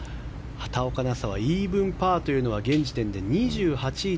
畑岡奈紗はイーブンパーというのが現時点で２８位